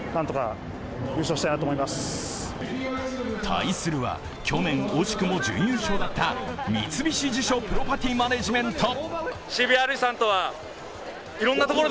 対するは去年、惜しくも準優勝だった三菱地所プロパティマネジメント。